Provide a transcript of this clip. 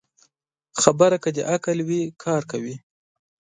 خبره که د عقل وي، کار کوي